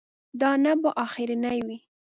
دا نه به اخرنی وي.